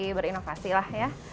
saya berinovasi lah ya